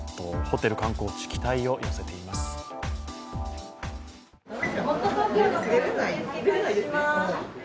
ホテ、ル観光地期待を寄せています。